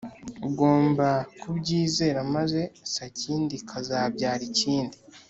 ugomba kubyizera maze sakindi ikazabyara ikindi"